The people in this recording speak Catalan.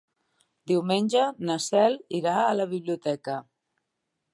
Diumenge na Cel irà a la biblioteca.